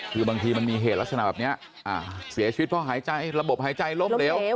คือบางทีมันมีเหตุลักษณะแบบนี้เสียชีวิตเพราะหายใจระบบหายใจล้มเหลว